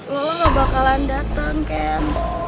lola gak bakalan datang ken